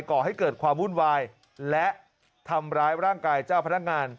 ก่อให้เกิดความวุ่นวายและทำร้ายร่างกายเจ้าพนักงาน